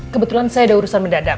kebetulan saya ada urusan mendadak